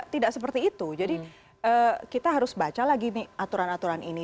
tidak seperti itu jadi kita harus baca lagi nih aturan aturan ini